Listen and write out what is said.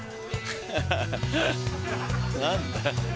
何だ？